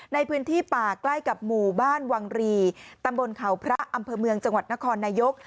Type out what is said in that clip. ในพื้นที่ป่าใกล้กับหมู่บ้านวังรีตำบลเขาพระอำเภอเมืองจังหวัดนครนายก